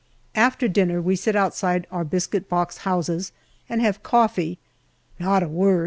After dinner we sit outside our biscuit box houses and have coffee (not a word